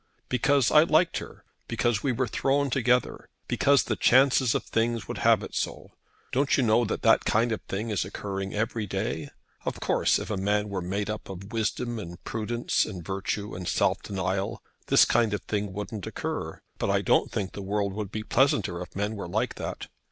"Because I liked her. Because we were thrown together. Because the chances of things would have it so. Don't you know that that kind of thing is occurring every day? Of course, if a man were made up of wisdom and prudence and virtue and self denial, this kind of thing wouldn't occur. But I don't think the world would be pleasanter if men were like that.